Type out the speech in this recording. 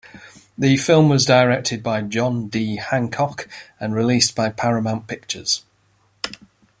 The film was directed by John D. Hancock and released by Paramount Pictures.